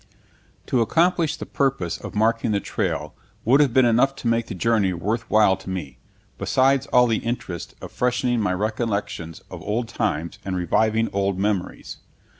To accomplish the purpose of marking the trail would have been enough to make the journey worth while to me, besides all the interest of freshening my recollections of old times and reviving old memories.